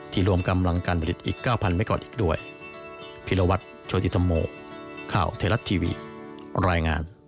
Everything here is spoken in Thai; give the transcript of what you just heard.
ที่รวมกำลังการผลิตอีก๙๐๐๐เมกะวัตต์อีกด้วย